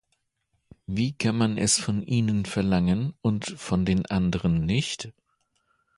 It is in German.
Wie kann man es von ihnen verlangen und von den anderen nicht?